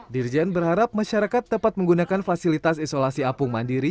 dirjen berharap masyarakat dapat menggunakan fasilitas isolasi apung mandiri